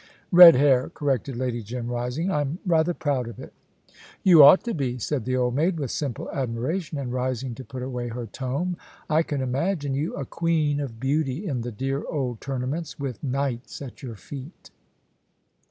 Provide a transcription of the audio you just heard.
"Red hair," corrected Lady Jim, rising. "I'm rather proud of it." "You ought to be," said the old maid, with simple admiration, and rising to put away her tome. "I can imagine you a queen of beauty in the dear old tournaments, with knights at your feet."